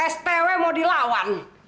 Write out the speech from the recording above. stw mau dilawan